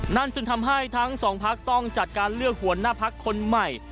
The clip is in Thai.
จึงทำให้ทั้งสองพักต้องจัดการเลือกหัวหน้าพักคนใหม่